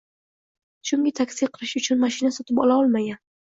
chunki taksi qilish uchun mashina sotib ola olmagan